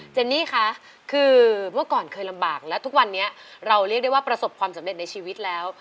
เนนี่คะคือเมื่อก่อนเคยลำบากและทุกวันนี้เราเรียกได้ว่าประสบความสำเร็จในชีวิตแล้ว